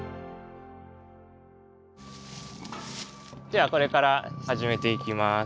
ではこれから始めていきます。